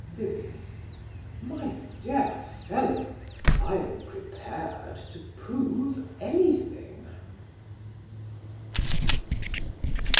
VIVIAN. My dear fellow, I am prepared to prove anything.